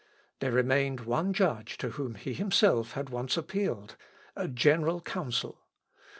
There remained one judge to whom he himself had once appealed a general council.